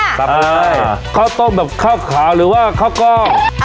สับเลยข้าวต้มแบบข้าวขาวหรือว่าข้าวกล้อง